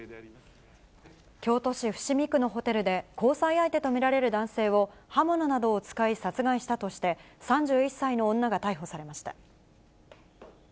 京都市伏見区のホテルで、交際相手と見られる男性を、刃物などを使い殺害したとして、３１歳の女が逮捕されました。